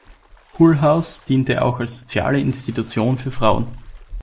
Hull House diente auch als soziale Institution für Frauen.